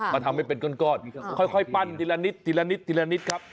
มาทำให้เป็นก้นค่อยปั้นทีละนิดครับ